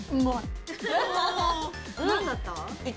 ・何だった？